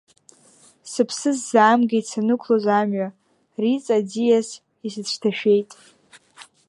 Сыԥсы сзаамгеит санықәлоз амҩа, Риҵа аӡиа исыцәҭашәеит.